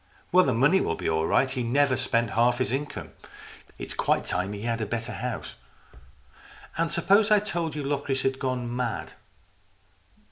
Well, the money will be all right. He's never spent half his income. It's quite time he had a better house." " And suppose I told you that Locris had gone mad?"